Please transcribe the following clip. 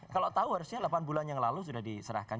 kalau tahu harusnya delapan bulan yang lalu sudah diserahkan